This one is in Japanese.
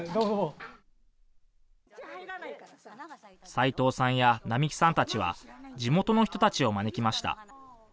斉藤さんや並木さんたちは地元の人たちを招きました。